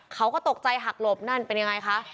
เขาก็ตกใจหักหลบนั่นเป็นยังไงคะ